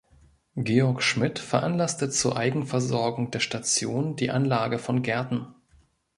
Georg Schmidt veranlasste zur Eigenversorgung der Station die Anlage von Gärten.